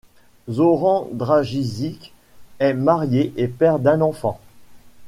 Zoran Dragišić est marié et père d'un enfant.